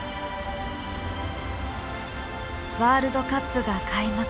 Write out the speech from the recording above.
ワールドカップが開幕。